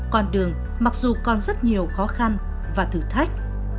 con đường mặc dù còn rất nhiều khó khăn và thử thách